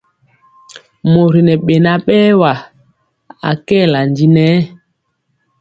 Mori ŋɛ beŋa berwa, akɛla ndi nɛ.